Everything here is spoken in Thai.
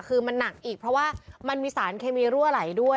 คือมันหนักอีกเพราะว่ามันมีสารเคมีรั่วไหลด้วย